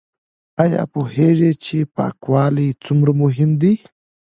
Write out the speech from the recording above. ایا پوهیږئ چې پاکوالی څومره مهم دی؟